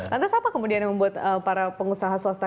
lantas apa kemudian yang membuat para pengusaha swasta